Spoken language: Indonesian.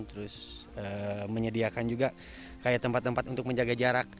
terus menyediakan juga kayak tempat tempat untuk menjaga jarak